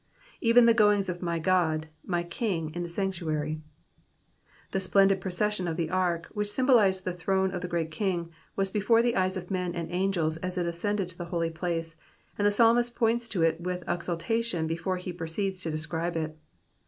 £f^n the going$ of my God, my King^ in the sanctuary/" The splendid procession of the ark, which symbolised the throne of the great King, was before the eyes of men and angels as it ascended to the holy place ; and the psalmist points to it with exultation before he proceeds to describe it.